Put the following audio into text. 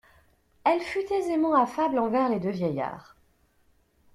Elle fut aisément affable envers les deux vieillards.